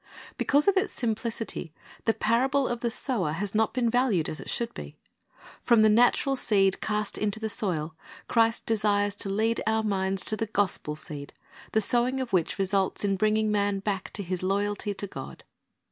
Because of its simplicity the parable of the sower has not been valued as it should be. From the natural seed cast into the soil, Christ desires to lead our minds to the gospel seed, the sowing of which results in bringing man back to his loyalty to God.